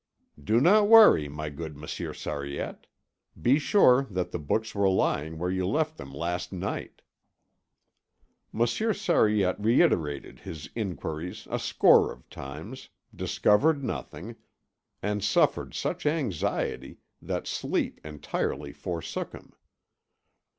"Do not worry, my good Monsieur Sariette; be sure that the books were lying where you left them last night." Monsieur Sariette reiterated his enquiries a score of times, discovered nothing, and suffered such anxiety that sleep entirely forsook him.